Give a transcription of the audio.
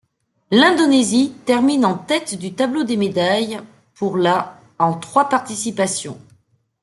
L'Indonésie termine en tête du tableau des médailles pour la en trois participations.